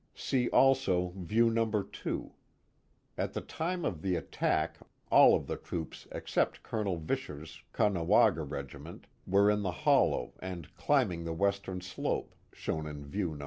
See also view No. 2. At the time of the attack all of the troops except Colonel Visscher's Caughnawaga regiment were in the hollow and climbing the western slope, shown in view No.